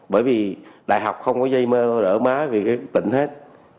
bởi vì đại học không có dây mê rỡ mái vì cái tỉnh hết